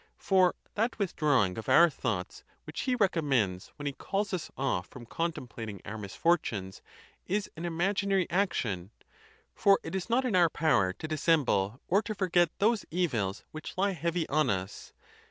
For that withdrawing of our thoughts which he recommends when he calls us off from contem plating our misfortunes is an imaginary action; for it is not in our power to dissemble or to forget those evils which lie heavy on us